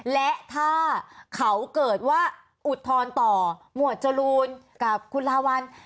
และถ้าเขาเกิดว่าอุทธรณ์ต่อหมวดจรูนกับคุณลาวัล